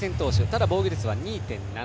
ただ、防御率は２．７７。